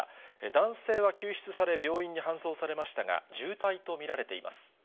男性は救出され、病院に搬送されましたが、重体と見られています。